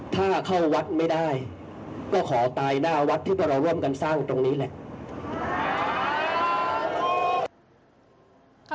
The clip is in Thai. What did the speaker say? ถ้าเข้าวัดไม่ได้ก็ขอตายหน้าวัดที่พวกเราร่วมกันสร้างตรงนี้แหละ